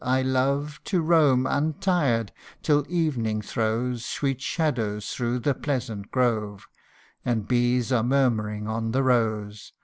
I love To roam untired, till evening throws Sweet shadows through the pleasant grove, And bees are murmuring on the rose.